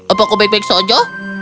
apa kau baik baik saja